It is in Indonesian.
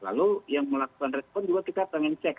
lalu yang melakukan respon juga kita pengen cek